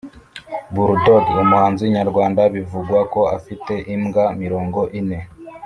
Bull dogg umuhanzi nyarwanda bivugwa ko afite imbwa mirongo ine